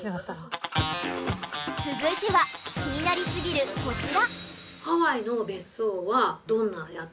続いては気になりすぎるこちら。